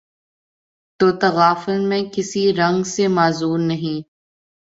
تو تغافل میں کسی رنگ سے معذور نہیں